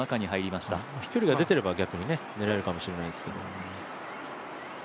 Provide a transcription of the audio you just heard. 飛距離が出ていれば逆に狙えるかもしれないですけど。